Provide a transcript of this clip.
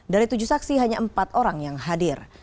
dari tujuh saksi hanya empat orang yang hadir